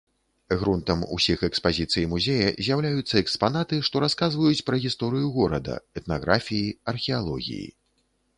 Грунтам усіх экспазіцый музея з'яўляюцца экспанаты, што расказваюць пра гісторыю горада, этнаграфіі, археалогіі.